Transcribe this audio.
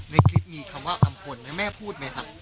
ในคลิปมีคำว่าอำพลไหมแม่พูดไหมครับ